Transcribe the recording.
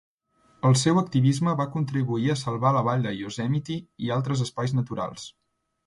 El seu activisme va contribuir a salvar la Vall de Yosemite i altres espais naturals.